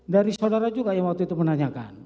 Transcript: dari saudara juga yang waktu itu menanyakan